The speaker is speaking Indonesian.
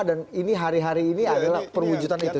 dan ini hari hari ini adalah perwujudan itu